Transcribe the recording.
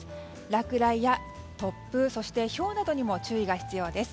落雷や突風そして、ひょうなどにも注意が必要です。